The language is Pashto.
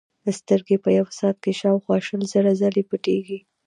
سترګې په یوه ساعت کې شاوخوا شل زره ځلې پټېږي.